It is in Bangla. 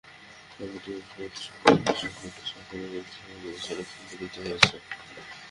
সম্প্রতি গণসাক্ষরতা অভিযানের সঙ্গে দেশ অপেরার একটি সমঝোতা স্মারক সম্পাদিত হয়েছে।